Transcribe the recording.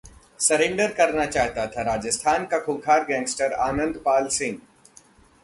surrender करना चाहता है राजस्थान का खूंखार गैंगस्टर आनंदपाल सिंह